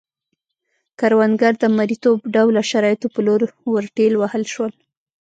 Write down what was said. کروندګر د مریتوب ډوله شرایطو په لور ورټېل وهل شول